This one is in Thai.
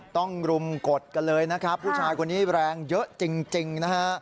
ต้องรุมกดกันเลยนะครับผู้ชายคนนี้แรงเยอะจริงนะฮะ